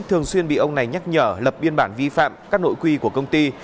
thường xuyên bị ông này nhắc nhở lập biên bản vi phạm các nội quy của công ty